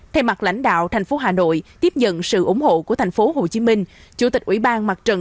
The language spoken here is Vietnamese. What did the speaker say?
thay mặt lãnh đạo tp hcm tiếp nhận sự ủng hộ của tp hcm chủ tịch ủy ban mặt trận